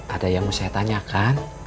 ada yang mau saya tanyakan